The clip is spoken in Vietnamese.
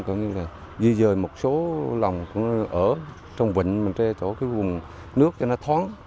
coi như là di dời một số lòng ở trong vịnh mình che chỗ cái vùng nước cho nó thoáng